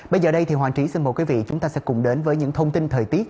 bây giờ đây thì hoàng trí xin mời quý vị chúng ta sẽ cùng đến với những thông tin thời tiết